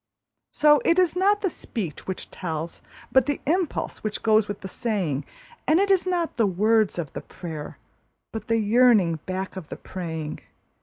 So it is not the speech which tells, but the impulse which goes with the saying; And it is not the words of the prayer, but the yearning back of the praying.